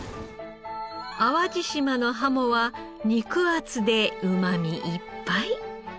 淡路島のハモは肉厚でうまみいっぱい。